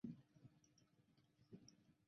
沙勒罗瓦。